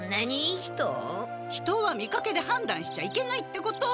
人は見かけではんだんしちゃいけないってこと。